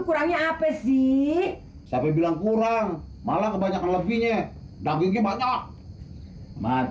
kurangnya apa sih sampai bilang kurang malah kebanyakan lebihnya dagingnya banyak